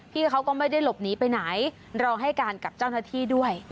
เขาก็ไม่ได้หลบหนีไปไหนรอให้การกับเจ้าหน้าที่ด้วย